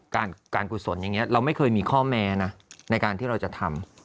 การกุศลอย่างนี้เราไม่เคยมีข้อแม้นะในการที่เราจะทำ